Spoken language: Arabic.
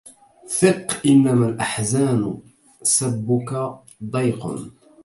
ثق إنما الأحزان سبك ضيق